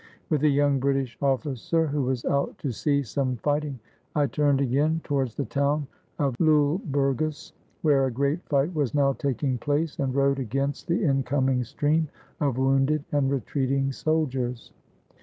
With a young British officer who was out to see some fighting, I turned again towards the town of Lule Bur gas, where a great fight was now taking place, and rode against the incoming stream of wounded and retreating soldiers.